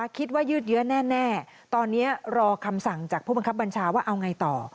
ยืดเยอะแน่ตอนนี้รอคำสั่งจากผู้บังคับบัญชาว่าเอาไงต่อ